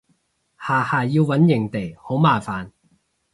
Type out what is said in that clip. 下下要搵營地好麻煩